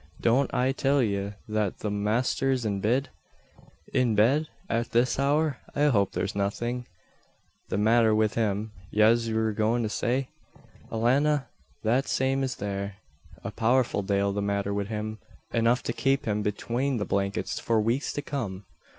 Don't I till ye that the masther's in bid?" "In bed! At this hour? I hope there's nothing " "The matther wid him, yez wur goin' to say? Alannah, that same is there a powerful dale the matther wid him enough to kape him betwane the blankets for weeks to come."